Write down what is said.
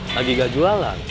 lagi gak jualan